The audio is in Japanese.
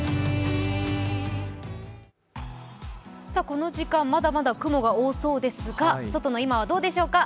この時間、まだまだ雲が多そうですが外の今はどうでしょうか。